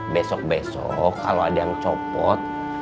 besok besok kalau ada yang copot